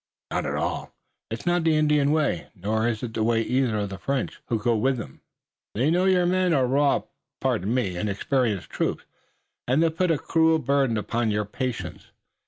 "Not at all. It's not the Indian way, nor is it the way either of the French, who go with them. They know your men are raw pardon me inexperienced troops, and they'll put a cruel burden upon your patience.